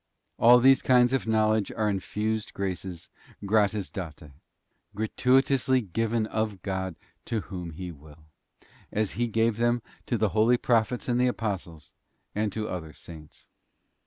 'f All these kinds of knowledge are infused graces gratis date, gra tuitously given of God to whom He will, as He gave them to the holy Prophets and the Apostles, and to other Saints.